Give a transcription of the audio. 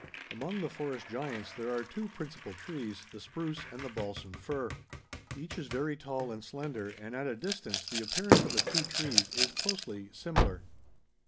Among the forest giants there are two principal trees, the spruce and the balsam fir. Each is very tall and slender and at a distance the appearance of the two trees is closely similar.